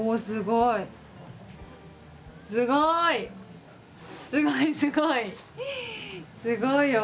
すごいすごい！